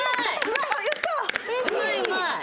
うまいうまい！